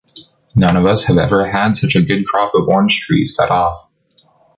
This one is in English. None one of us has ever had such a good crop of orange trees cut off.